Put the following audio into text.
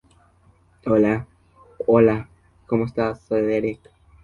Posteriormente pasó seis meses en Inglaterra, donde siguió cursos de teatro y canto.